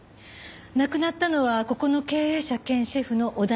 亡くなったのはここの経営者兼シェフの織田龍之介さん。